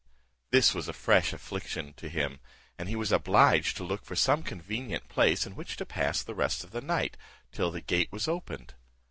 This was a fresh affliction to him, and he was obliged to look for some convenient place in which to pass the rest of the night till the gate was opened.